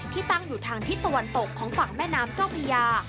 ตั้งอยู่ทางทิศตะวันตกของฝั่งแม่น้ำเจ้าพญา